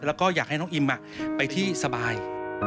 แล้วก็อยากให้น้องอิมไปที่สบาย